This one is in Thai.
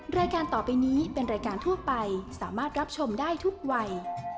รายการต่อไปนี้เป็นรายการทั่วไปสามารถรับชมได้ทุกวัย